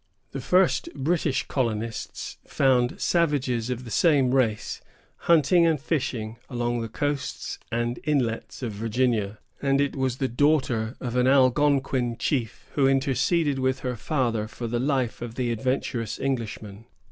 The first British colonists found savages of the same race hunting and fishing along the coasts and inlets of Virginia; and it was the daughter of an Algonquin chief who interceded with her father for the life of the adventurous Englishman.